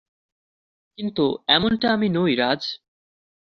কিন্তু এমনটা আমি নই, রাজ।